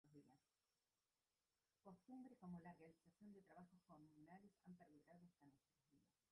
Costumbres como la realización de trabajos comunales han perdurado hasta nuestros días.